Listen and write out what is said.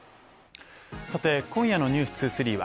今夜の「ｎｅｗｓ２３」は